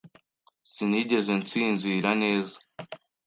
Sinigeze nsinzira neza.